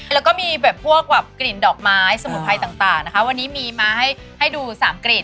แล้วก็มีแบบพวกแบบกลิ่นดอกไม้สมุนไพรต่างนะคะวันนี้มีมาให้ดู๓กลิ่น